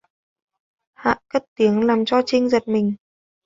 Hạ cất tiếng làm cho Trinh giất mình